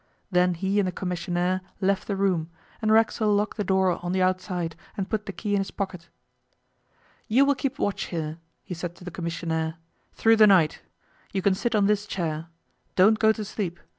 Then he and the commissionaire left the room, and Racksole locked the door on the outside and put the key in his pocket. 'You will keep watch here,' he said to the commissionaire, 'through the night. You can sit on this chair. Don't go to sleep.